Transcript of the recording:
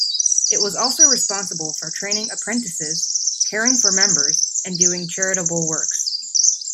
It was also responsible for training apprentices, caring for members and doing charitable works.